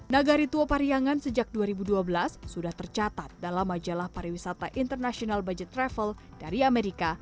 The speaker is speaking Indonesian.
nagari tua pariangan sejak dua ribu dua belas sudah tercatat dalam majalah pariwisata international budget travel dari amerika